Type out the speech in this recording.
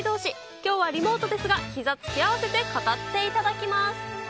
きょうはリモートですが、ひざ突き合わせて語っていただきます。